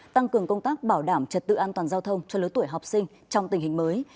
tăng cường công tác bảo đảm trật tự an toàn giao thông cho lứa tuổi học sinh trong tình hình mới